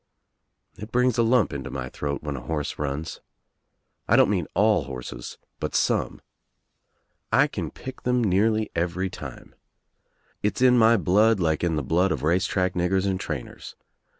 It brings a lump up into my throat when a horse runs. I don't mean all horses but some. I can pick • I WANT TO KNOW WHY II them nearly every time. It's in my blood like in the blood of race track niggers and trainers.